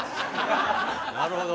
なるほど。